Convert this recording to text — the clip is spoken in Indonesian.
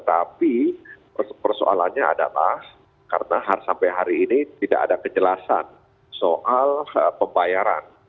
tapi persoalannya adalah karena sampai hari ini tidak ada kejelasan soal pembayaran